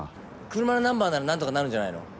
車のナンバーならなんとかなるんじゃないの？